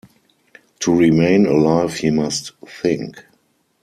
To remain alive, he must think.